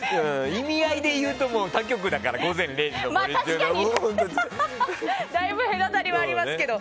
意味合いでいうと他局だから、「午前０時の森」は。まあ確かにだいぶ隔たりはありますけど。